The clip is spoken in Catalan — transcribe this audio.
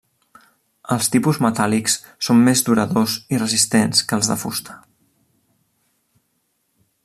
Els tipus metàl·lics són més duradors i resistents que els de fusta.